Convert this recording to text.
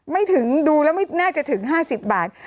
ไม่ถึงดูแล้วไม่น่าจะถึง๕๐บาท